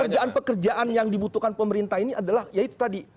pekerjaan pekerjaan yang dibutuhkan pemerintah ini adalah ya itu tadi